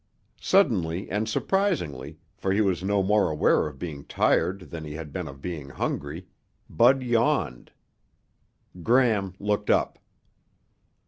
Suddenly, and surprisingly, for he was no more aware of being tired than he had been of being hungry, Bud yawned. Gram looked up.